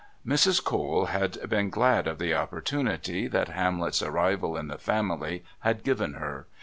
Mrs. Cole had been glad of the opportunity that Hamlet's arrival in the family had given her.